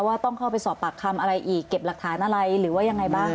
ว่าต้องเข้าไปสอบปากคำอะไรอีกเก็บหลักฐานอะไรหรือว่ายังไงบ้าง